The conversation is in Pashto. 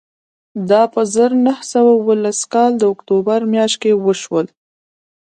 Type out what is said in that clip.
دا په زر نه سوه اوولس کال د اکتوبر میاشت کې وشول